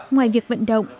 ngoài việc vận động